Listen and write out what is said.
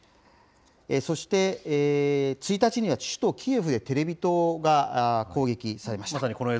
そして、１日には首都キエフでテレビ塔が攻撃されました。